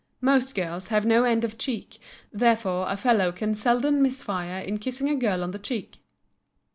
Most girls have no end of cheek, therefore a fellow can seldom miss fire in kissing a girl on the cheek.